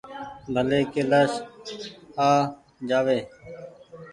ڀلي ڪيلآش آ جآوي ۔